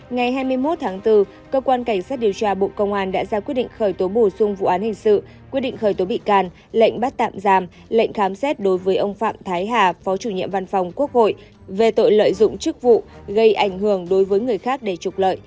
ngày hai mươi một tháng bốn cơ quan cảnh sát điều tra bộ công an đã ra quyết định khởi tố bổ sung vụ án hình sự quyết định khởi tố bị can lệnh bắt tạm giam lệnh khám xét đối với ông phạm thái hà phó chủ nhiệm văn phòng quốc hội về tội lợi dụng chức vụ gây ảnh hưởng đối với người khác để trục lợi